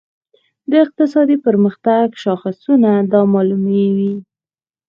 د اقتصادي پرمختګ شاخصونه دا معلوموي.